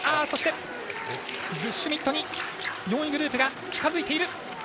そして、シュミットに４位グループが近づいている。